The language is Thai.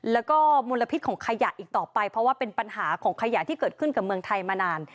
แล้วก็มลพิษของขยะอีกต่อไปเพราะว่าเป็นปัญหาของขยะที่เกิดขึ้นกับเมืองไทยมานาน